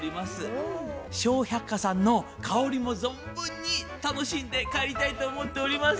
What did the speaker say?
「笑百科」さんの香りも存分に楽しんで帰りたいと思っております。